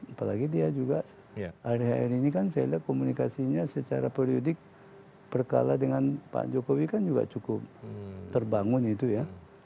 apalagi dia juga adhn ini kan saya lihat komunikasinya secara periodik berkala dengan pak jokowi kan juga cukup terbangun itu ya